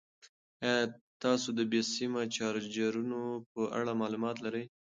ایا تاسو د بې سیمه چارجرونو په اړه معلومات لرئ؟